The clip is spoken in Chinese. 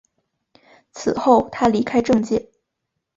此后他离开政界。